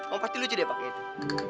oh pasti lucu deh pakai itu